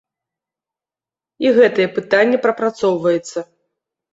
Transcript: І гэтае пытанне прапрацоўваецца.